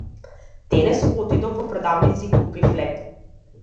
Денес отидов во продавница и купив леб.